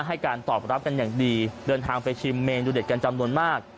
ให้การตอบรับกันอย่างดีเดินทางไปชิมเมนูเด็ดกันจำนวนมาก